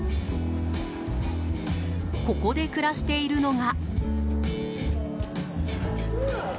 ここで暮らしているのが。